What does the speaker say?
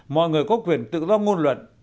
mọi người có quyền tự do ngôn luận